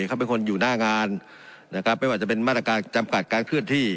เขาเป็นคนอยู่หน้างานนะครับไม่ว่าจะเป็นมาตรการจำกัดการเคลื่อนที่